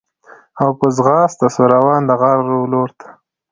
او په ځغاسته سو روان د غار و لورته